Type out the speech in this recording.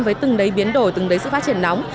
với từng đấy biến đổi từng đấy sự phát triển nóng